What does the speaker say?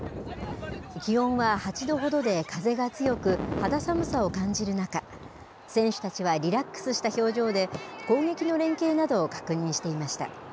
気温は８度ほどで風が強く、肌寒さを感じる中、選手たちはリラックスした表情で、攻撃の連係などを確認していました。